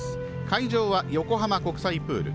会場は横浜国際プール。